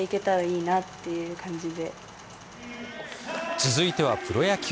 続いてはプロ野球。